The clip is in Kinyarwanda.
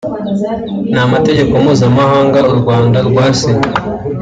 n’amategeko mpuzamahanga urwanda rwasinye